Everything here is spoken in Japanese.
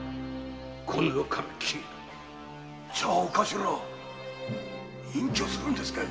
じゃおカシラ隠居するんですかい？